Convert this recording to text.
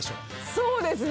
そうですね。